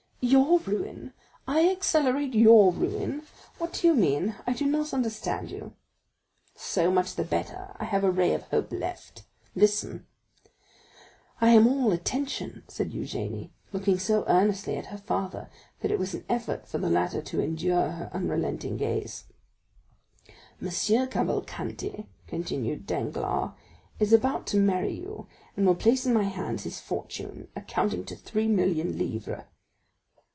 "Your ruin? I accelerate your ruin? What do you mean? I do not understand you." "So much the better, I have a ray of hope left; listen." "I am all attention," said Eugénie, looking so earnestly at her father that it was an effort for the latter to endure her unrelenting gaze. "M. Cavalcanti," continued Danglars, "is about to marry you, and will place in my hands his fortune, amounting to three million livres."